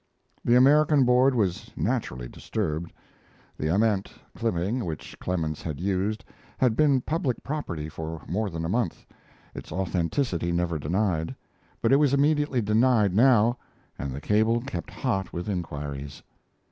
The American Board was naturally disturbed. The Ament clipping which Clemens had used had been public property for more than a month its authenticity never denied; but it was immediately denied now, and the cable kept hot with inquiries.